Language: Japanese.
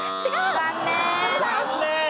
残念。